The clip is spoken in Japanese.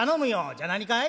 「じゃあ何かい？